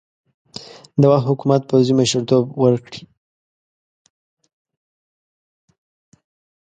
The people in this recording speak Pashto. د وخت حکومت پوځي مشرتوب ورکړي.